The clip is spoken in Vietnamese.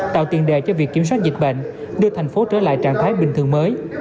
tạo tiền đề cho việc kiểm soát dịch bệnh đưa thành phố trở lại trạng thái bình thường mới